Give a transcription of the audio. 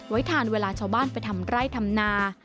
ทานเวลาชาวบ้านไปทำไร่ทำนา